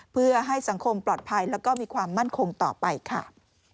เพื่อให้สังคมปลอดภัยแล้วก็มีความมั่นคงต่อไปค่ะ